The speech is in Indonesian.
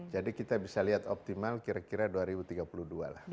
jadi kita bisa lihat optimal kira kira dua ribu tiga puluh dua lah